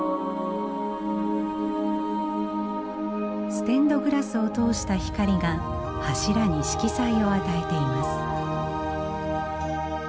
ステンドグラスを通した光が柱に色彩を与えています。